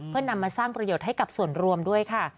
เพื่อนำมาสร้างประโยชน์ให้กับส่วนรวมด้วยค่ะ